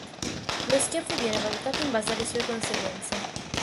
Lo schiaffo viene valutato in base alle sue conseguenze.